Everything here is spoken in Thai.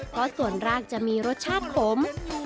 เพราะส่วนรากจะมีรสชาติขม